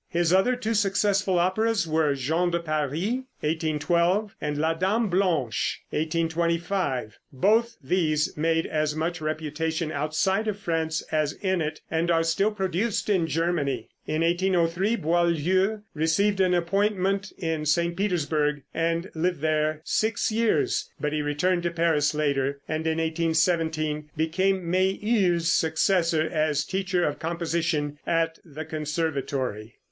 His other two successful operas were "Jean de Paris" (1812), and "La Dame Blanche" (1825). Both these made as much reputation outside of France as in it, and are still produced in Germany. In 1803 Boieldieu received an appointment in St. Petersburg and lived there six years, but he returned to Paris later, and in 1817 became Méhul's successor as teacher of composition at the Conservatory.